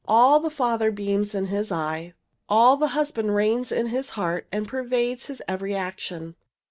All the father beams in his eye; all the husband reigns in his heart and pervades his every action.